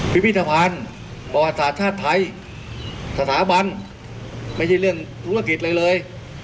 พิพิธภัณฑ์ประวัติศาสตร์ชาติไทยสถาบันไม่ใช่เรื่องธุรกิจอะไรเลย